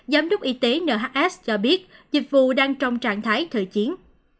giám đốc y tế nhs cho biết dịch vụ đang trong trạng thái thời chiến